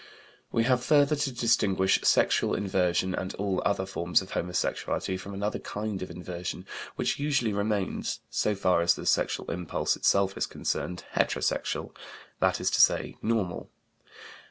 We have further to distinguish sexual inversion and all other forms of homosexuality from another kind of inversion which usually remains, so far as the sexual impulse itself is concerned, heterosexual, that is to say, normal.